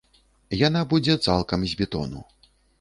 Яна будзе цалкам з бетону.